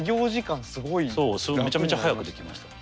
そうめちゃめちゃ早くできました。